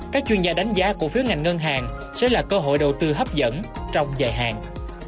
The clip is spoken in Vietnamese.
các chuyên gia đánh giá cổ phiếu ngành ngân hàng sẽ là cơ hội đầu tư hấp dẫn trong dài hạn